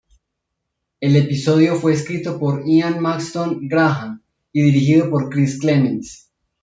El episodio fue escrito por Ian Maxtone-Graham y dirigido por Chris Clements.